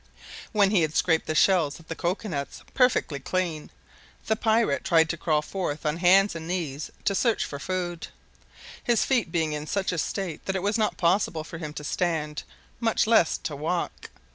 When he had scraped the shells of the cocoa nuts perfectly clean, the pirate tried to crawl forth on hands and knees, to search for food, his feet being in such a state that it was not possible for him to stand, much less to walk.